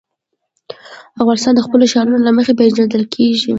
افغانستان د خپلو ښارونو له مخې پېژندل کېږي.